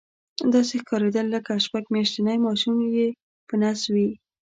داسې ښکارېدل لکه شپږ میاشتنی ماشوم یې په نس وي.